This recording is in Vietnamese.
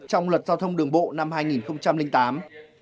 trong luật giao thông đường bộ năm hai nghìn tám